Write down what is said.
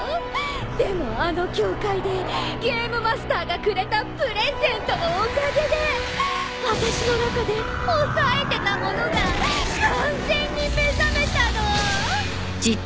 でもあの教会でゲームマスターがくれたプレゼントのおかげで私の中で抑えてたものが完全に目覚めたの！